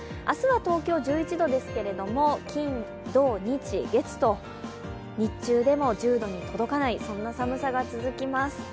明日は東京は１１度ですけれども、金土日月と日中でも１０度に届かない寒さが続きます。